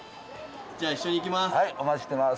じゃあ一緒に行きます。